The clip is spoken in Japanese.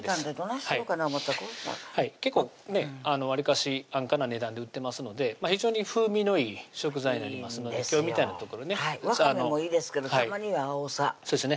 思たら結構わりかし安価な値段で売ってますので非常に風味のいい食材になりますので今日みたいなわかめもいいですけどたまにはあおさそうですね